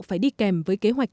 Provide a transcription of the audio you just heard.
phải đi kèm với kế hoạch